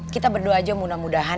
kita berdoa aja mudah mudahan